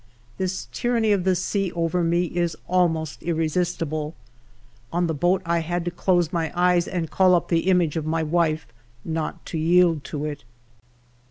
This tyranny of the sea over me is almost irresistible; on the boat I had to close my eyes and call up the image of my wife not to yield to it.